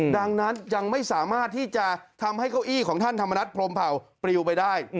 ดังนั้นยังไม่สามารถที่จะทำให้เก้าอี้ของท่านธรรมนัฐพรมเผาปลิวไปได้